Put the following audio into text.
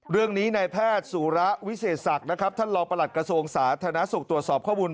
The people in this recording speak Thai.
เรื่องนี้นายแพทย์สุระวิเศษศักดิ์นะครับท่านรองประหลัดกระทรวงสาธารณสุขตรวจสอบข้อมูล